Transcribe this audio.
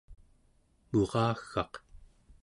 muraggaq